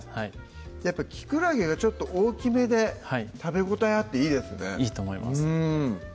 やっぱきくらげがちょっと大きめで食べ応えあっていいですねいいと思います